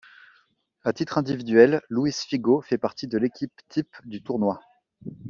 À titre individuel, Luís Figo fait partie de l'équipe-type du tournoi.